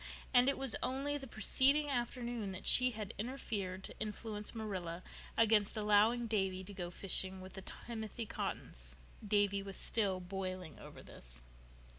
And it was only the preceding afternoon that she had interfered to influence Marilla against allowing Davy to go fishing with the Timothy Cottons. Davy was still boiling over this.